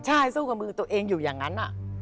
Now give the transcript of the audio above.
ใช่สู้กับมือตัวเองอยู่อย่างนั้น